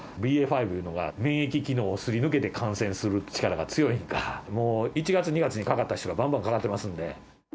ＢＡ．５いうのが免疫機能をすり抜けて感染する力が強いんか、もう１月、２月にかかった人が、ばんばんかかってますんで。